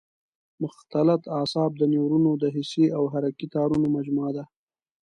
مختلط اعصاب د نیورونونو د حسي او حرکي تارونو مجموعه ده.